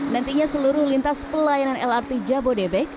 nantinya seluruh lintas pelayanan lrt jabodebek